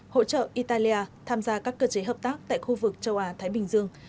hỗ trợ italia tham gia các cơ chế hợp tác tại khu vực châu á thái bình dương